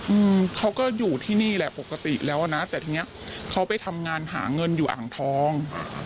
อืมเขาก็อยู่ที่นี่แหละปกติแล้วอ่ะนะแต่ทีเนี้ยเขาไปทำงานหาเงินอยู่อ่างทอง